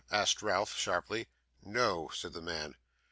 asked Ralph, sharply. 'No!' said the man.